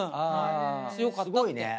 すごいね。